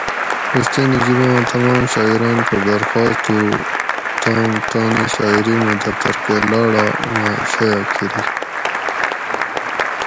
کوستینی جِباں تمام شاعراۤن کہ درخواست تھوؤں تام تانی شاعِری موں دفتر کہ لاڑا مہ شایٔع کری